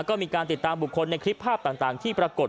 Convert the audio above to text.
ก็มีการติดตามบุคคลในคลิปภาพต่างที่ปรากฏ